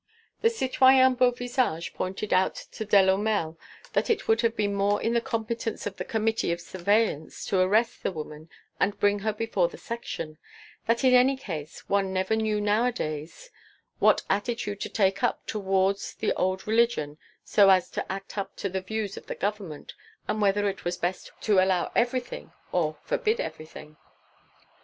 The citoyen Beauvisage pointed out to Delourmel that it would have been more in the competence of the Committee of Surveillance to arrest the woman and bring her before the Section; that in any case, one never knew nowadays what attitude to take up towards the old religion so as to act up to the views of the Government, and whether it was best to allow everything or forbid everything.